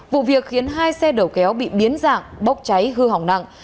vụ việc khiến hai xe đầu kéo bị biến dạng bốc cháy hư hỏng nặng